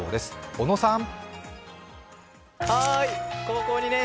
小野さん。